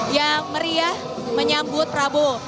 yang meriah menyambut prabowo